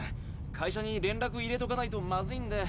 会社に連絡入れとかないとまずいんで。